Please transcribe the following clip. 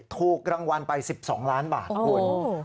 ถูกรางวัลไป๑๒ล้านบาทคุณ